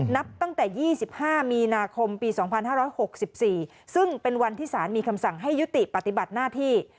นับตั้งแต่๒๕มีนาคมปี๒๕๖๔ซึ่งเป็นวันที่สารมีคำสั่งให้ยุติปฏิบัติหน้าที่